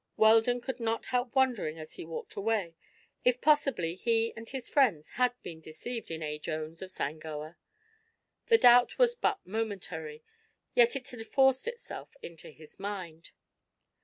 Weldon could not help wondering, as he walked away, if possibly he and his friends had been deceived in A. Jones of Sangoa. The doubt was but momentary, yet it had forced itself into his mind.